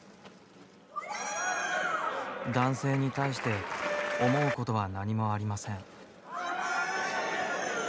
男性に対して思うことは何もありません。